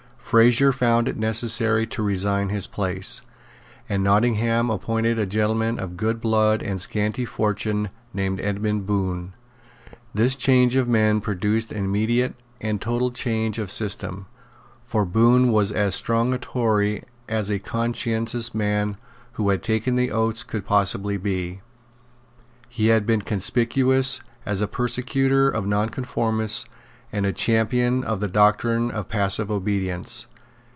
Fraser found it necessary to resign his place; and Nottingham appointed a gentleman of good blood and scanty fortune named Edmund Bohun. This change of men produced an immediate and total change of system; for Bohun was as strong a Tory as a conscientious man who had taken the oaths could possibly be. He had been conspicuous as a persecutor of nonconformists and a champion of the doctrine of passive obedience.